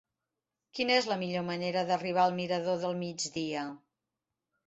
Quina és la millor manera d'arribar al mirador del Migdia?